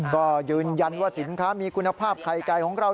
ก็ยืนยันว่าสินค้ามีคุณภาพไข่ไก่ของเรา